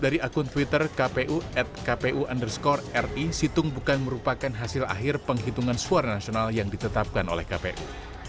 dari akun twitter kpu at kpu underscore ri situng bukan merupakan hasil akhir penghitungan suara nasional yang ditetapkan oleh kpu